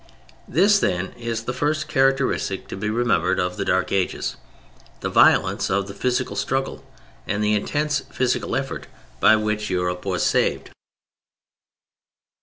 This, then, is the first characteristic to be remembered of the Dark Ages: the violence of the physical struggle and the intense physical effort by which Europe was saved.